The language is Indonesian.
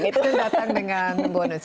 datang dengan bonus